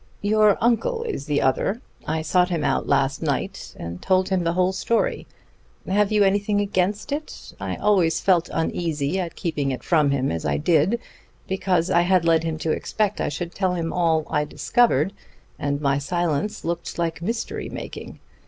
"Your uncle is the other. I sought him out last night and told him the whole story. Have you anything against it? I always felt uneasy at keeping it from him as I did, because I had led him to expect I should tell him all I discovered, and my silence looked like mystery making.